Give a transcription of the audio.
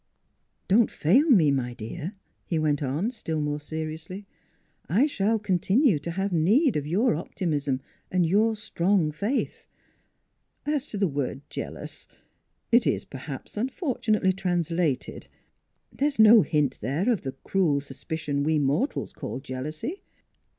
" Don't fail me, my dear," he went on, still more seriously; "I shall continue to have need of your optimism and your strong faith. As to the word 'jealous'; it is perhaps unfortunately translated. There is no hint there of the cruel suspicion we mortals call jealousy.